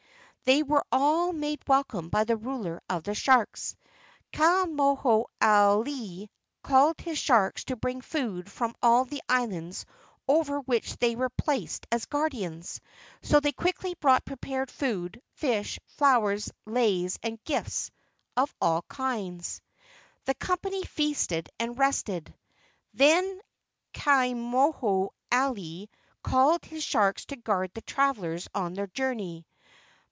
They were all made welcome by the ruler of the sharks. Ka moho alii called his sharks to bring food from all the islands over which they were placed as guardians; so they quickly brought prepared food, fish, flowers, leis, and gifts of all kinds. LA U KA IEIE 45 The company feasted and rested. Then Ka moho alii called his sharks to guard the travellers on their journey.